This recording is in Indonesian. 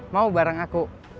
mau bareng aku